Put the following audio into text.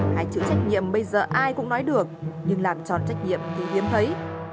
hai chữ trách nhiệm bây giờ ai cũng nói được nhưng làm tròn trách nhiệm thì hiếm thấy